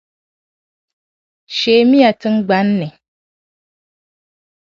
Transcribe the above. Sheemi ya tiŋgbani ni.